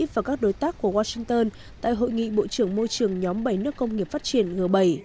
và các đối tác của washington tại hội nghị bộ trưởng môi trường nhóm bảy nước công nghiệp phát triển g bảy